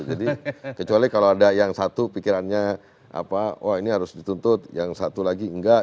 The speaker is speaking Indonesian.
jadi kecuali kalau ada yang satu pikirannya apa wah ini harus dituntut yang satu lagi enggak